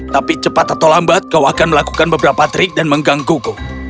tapi cepat atau lambat kau akan melakukan beberapa trik dan menggangguku